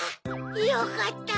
よかった！